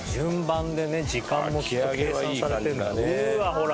ほら！